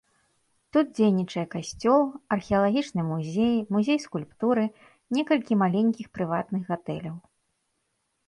Тут дзейнічае касцёл, археалагічны музей, музей скульптуры, некалькі маленькіх прыватных гатэляў.